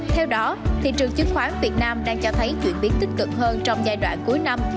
theo đó thị trường chứng khoán việt nam đang cho thấy chuyển biến tích cực hơn trong giai đoạn cuối năm